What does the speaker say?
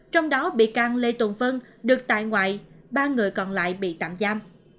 trong đó bị can lê tùng phân được tại ngoại ba người còn lại bị tạm giam